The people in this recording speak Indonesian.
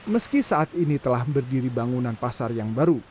meski saat ini telah berdiri bangunan pasar yang baru